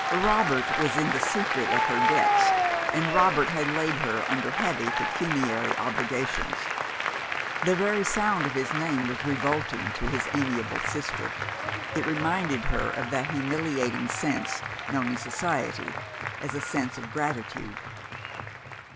Robert was in the secret of her debts, and Robert had laid her under heavy pecuniary obligations. The very sound of his name was revolting to his amiable sister: it reminded her of that humiliating sense, known in society as a sense of gratitude.